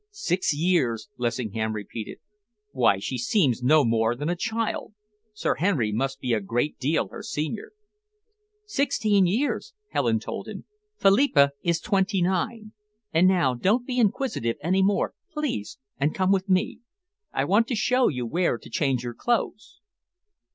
"Six years!" Lessingham repeated. "Why, she seems no more than a child. Sir Henry must be a great deal her senior." "Sixteen years," Helen told him. "Philippa is twenty nine. And now, don't be inquisitive any more, please, and come with me. I want to show you where to change your clothes."